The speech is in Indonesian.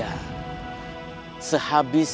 dan kemudian dia menangis